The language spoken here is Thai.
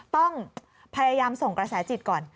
ต้องพยายามส่งกระแสจิตก่อน